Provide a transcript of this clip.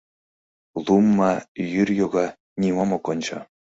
Лум ма, йӱр йога — нимом ок ончо.